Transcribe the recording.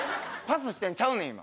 パスしてんちゃうねん